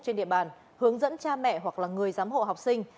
trên địa bàn hướng dẫn cha mẹ hoặc là người giám hộ học sinh